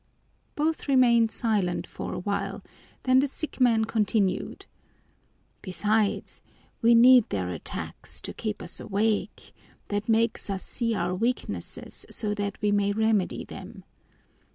Both remained silent for a time, then the sick man continued: "Besides, we need their attacks, to keep us awake; that makes us see our weaknesses so that we may remedy them.